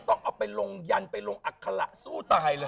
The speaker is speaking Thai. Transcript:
ต้องเอาไปลงยันไปลงอัคระสู้ตายเลย